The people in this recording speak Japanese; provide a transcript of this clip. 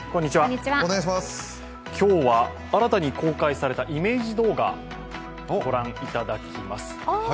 今日は、新たに公開されたイメージ動画を御覧いただきます。